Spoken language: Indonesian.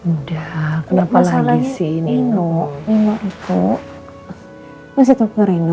udah kenapa lagi sih nino